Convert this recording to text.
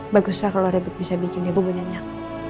bagus lah kalo rebut bisa bikin dia bunyanya nyak